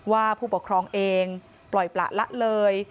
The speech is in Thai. ผู้ปกครองเองปล่อยประละเลย